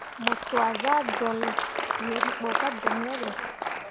Mu cwak saa jol yeribo ka joŋ yehe.